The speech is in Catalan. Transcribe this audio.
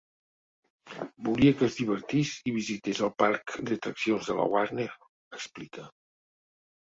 Volia que es divertís i visités el parc d’atraccions de la Warner, explica.